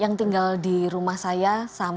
yang tinggal di rumah saya